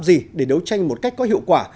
gì để đấu tranh một cách có hiệu quả